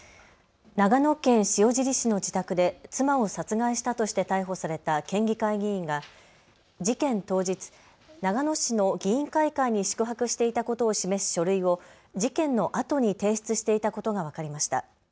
長野県塩尻市の自宅で妻を殺害したとして逮捕された県議会議員が事件当日、長野市の議員会館に宿泊していたことを示す書類を事件のあとに提出していたことが分かりました。